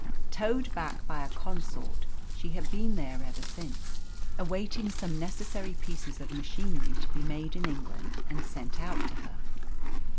Towed back by a consort, she had been there ever since, awaiting some necessary pieces of machinery to be made in England and sent out to her.